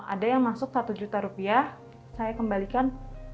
ada yang masuk satu juta rupiah saya kembalikan